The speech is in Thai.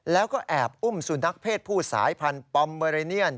แล้วก็แอบอุ้มสุนัขเพศผู้สายพันธุ์ปอมเมอเรเนียน